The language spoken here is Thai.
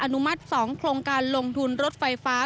นุมัติ๒โครงการลงทุนรถไฟฟ้า